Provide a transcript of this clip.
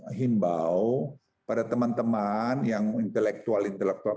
saya ingin himbau pada teman teman yang intelektual intelektual